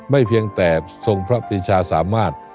เพียงแต่ทรงพระปีชาสามารถ